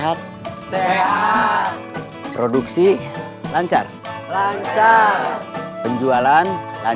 kasih tau yang di dalam